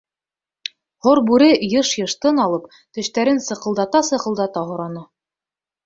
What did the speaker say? — Һорбүре йыш-йыш тын алып, тештәрен сыҡылдата-сыҡылдата һораны.